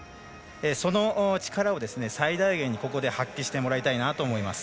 その力を最大限にここで発揮してもらいたいなと思います。